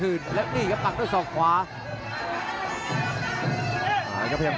อื้อหือจังหวะขวางแล้วพยายามจะเล่นงานด้วยซอกแต่วงใน